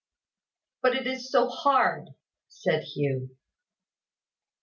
"But it is so hard," said Hugh.